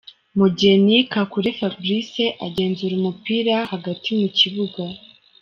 Mugheni Kakule Fabrice agenzura umupira hagati mu kibuga.